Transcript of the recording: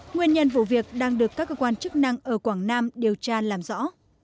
nguyên nhân vụ việc đang được các cơ quan chức năng ở quảng nam điều tra làm rõ